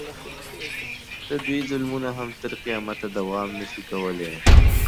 د دوی ظلمونه هم تر قیامته دوام نه شي کولی.